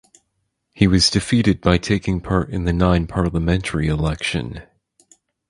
He was defeated by taking part in the nine parliamentary election.